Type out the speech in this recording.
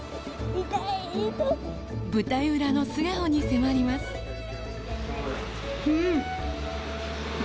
舞台裏の素顔に迫りますん！